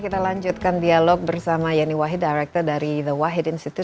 kita lanjutkan dialog bersama yeni wahid director dari the wahid institute